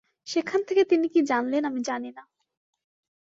সেখান থেকে তিনি কী জানলেন, আমি জানি না।